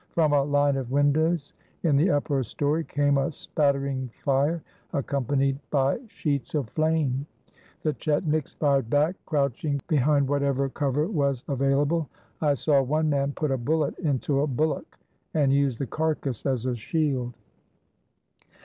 From a line of windows in the upper story came a spattering fire, accompanied by sheets of flame. The chetniks fired back, crouching behind whatever cover was available. I saw one man put a bullet into a bullock, and use the carcass as a shield.